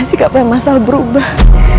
gak usah kasih gak pengen mas al berubah